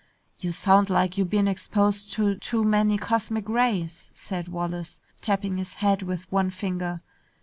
"You sound like you been exposed to too many cosmic rays!" said Wallace, tapping his head with one finger.